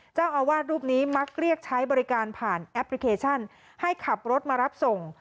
เจ้าอาวาสรูปนี้มักเรียกใช้บริการผ่านแอปพลิเคชันให้ขับรถมารับส่ง